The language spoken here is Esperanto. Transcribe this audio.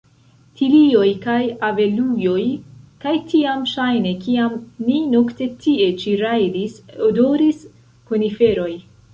Tilioj kaj avelujoj, kaj tiam ŝajne, kiam ni nokte tie ĉi rajdis, odoris koniferoj.